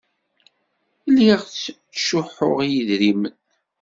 Lliɣ ttcuḥḥuɣ i yedrimen.